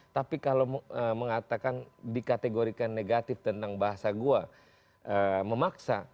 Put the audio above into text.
tapi kalau mengatakan dikategorikan negatif tentang bahasa gua memaksa